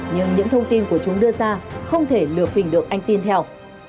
nhưng những thông tin của chúng đưa ra không thể lược hình được anh tin theo